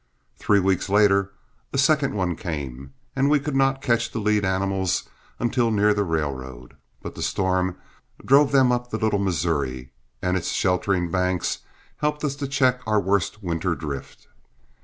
Three weeks later a second one came, and we could not catch the lead animals until near the railroad; but the storm drove them up the Little Missouri, and its sheltering banks helped us to check our worst winter drift.